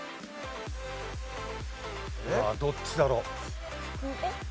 ああどっちだろう？